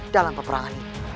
dalam perang ini